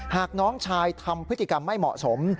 หากน้องชายทำพฤติกรรมไม่เหมาะสม